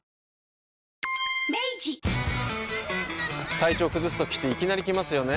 体調崩すときっていきなり来ますよね。